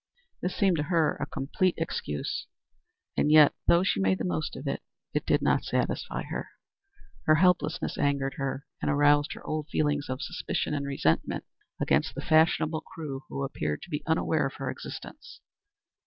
This seemed to her a complete excuse, and yet, though she made the most of it, it did not satisfy her. Her helplessness angered her, and aroused her old feelings of suspicion and resentment against the fashionable crew who appeared to be unaware of her existence.